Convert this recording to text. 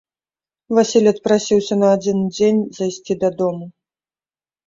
Васіль адпрасіўся на адзін дзень зайсці дадому.